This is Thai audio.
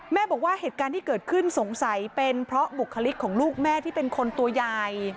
บอกว่าเหตุการณ์ที่เกิดขึ้นสงสัยเป็นเพราะบุคลิกของลูกแม่ที่เป็นคนตัวใหญ่